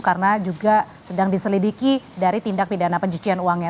karena juga sedang diselidiki dari tindak pidana pencucian uangnya